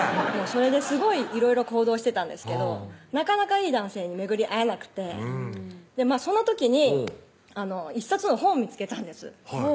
それですごいいろいろ行動してたんですけどなかなかいい男性に巡り合えなくてその時に１冊の本を見つけたんです